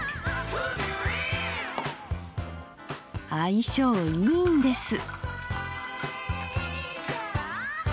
相性いいんです！